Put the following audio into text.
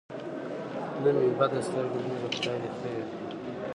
نن مې بده سترګه لوېږي خدای دې خیر کړي.